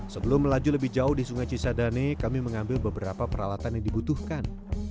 sebelum melaju lebih jauh di sungai cisadane kami mengambil beberapa peralatan yang dibutuhkan